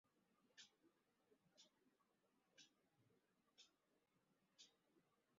উপরিউক্ত বিষয়সমূহের উপর ভিত্তি করে আরো কিছু তথ্য আদমশুমারির জন্য প্রয়োজনীয়।